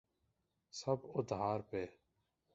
سب ادھار پہ۔